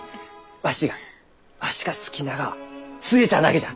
わしがわしが好きながは寿恵ちゃんだけじゃ！